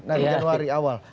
nah di januari awal